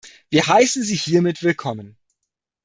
Wir heißen sie hiermit willkommen.